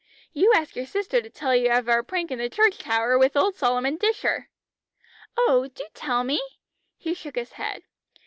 You ask your sister to tell you of our prank in the church tower with old Solomon Disher!" "Oh, do tell me." He shook his head.